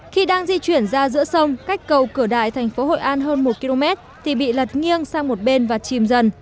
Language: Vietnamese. khi đang di chuyển ra giữa sông cách cầu cửa đại thành phố hội an hơn một km thì bị lật nghiêng sang một bên và chìm dần